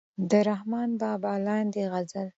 د رحمان بابا لاندې غزل